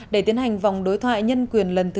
để tiến hành vòng đối thoại nhân quyền lần thứ tám